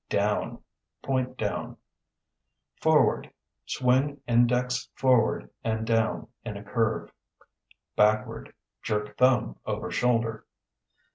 Down (Point down). Forward (Swing index forward and down in a curve). Backward (Jerk thumb over shoulder).